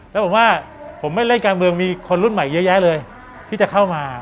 แล้วผมว่าผมไม่เล่นการเมืองมีคนรุ่นใหม่เยอะแยะเลยที่จะเข้ามา